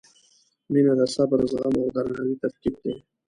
• مینه د صبر، زغم او درناوي ترکیب دی.